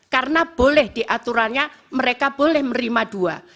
karena boleh diaturannya mereka boleh merima dua